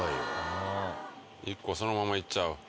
１個そのままいっちゃう。